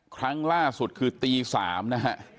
ครั้งล่าสุดคือตี๓นะฮะ